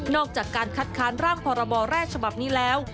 อกจากการคัดค้านร่างพรบแร่ฉบับนี้แล้ว